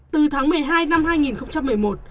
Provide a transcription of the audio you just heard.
từ tháng một mươi hai năm hai nghìn một mươi một